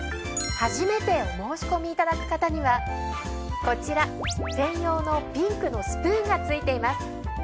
初めてお申し込みいただく方にはこちら専用のピンクのスプーンが付いています。